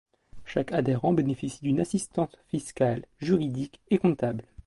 Chaque adhérent bénéficie d’une assistance fiscale, juridique et comptable.